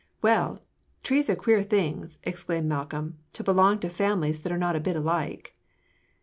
"Well, trees are queer things," exclaimed Malcolm, "to belong to families that are not a bit alike."